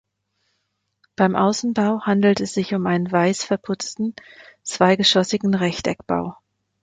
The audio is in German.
Beim Außenbau handelt es sich um einen weiß verputzten, zweigeschossigen Rechteckbau.